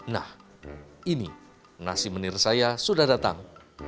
nah ini nasi menir saya sudah datang